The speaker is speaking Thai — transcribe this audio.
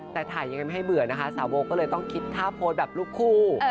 แต่ถ่ายยังไงไม่ให้เบื่อนะคะสาวโบก็เลยต้องคิดท่าโพสต์แบบลูกคู่